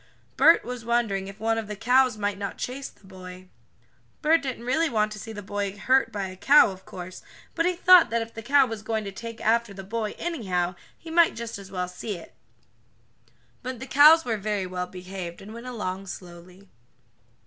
Bert was wondering if one of the cows might not chase the boy. Bert didn't really want to see the boy hurt by a cow, of course, but he thought that if the cow was going to take after the boy, anyhow, he might just as well see it. But the cows were very well behaved, and went along slowly.